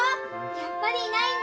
やっぱりいないんだ